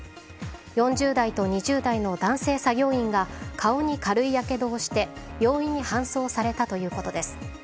４０代と２０代の男性作業員が顔に軽いやけどをして病院に搬送されたということです。